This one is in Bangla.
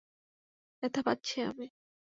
ব্যথা পাচ্ছি আমি!